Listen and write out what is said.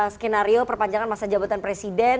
skenario perpanjangan masa jabatan presiden